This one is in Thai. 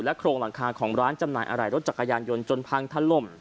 โครงหลังคาของร้านจำหน่ายอะไรรถจักรยานยนต์จนพังทะลม